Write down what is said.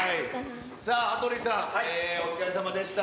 さあ、羽鳥さん、お疲れさまでした。